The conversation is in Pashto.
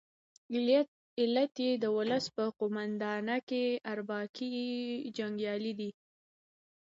علت یې د ولس په قومانده کې اربکي جنګیالي دي.